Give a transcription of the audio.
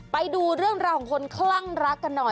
ไปดูเรื่องราวของคนคลั่งรักกันหน่อย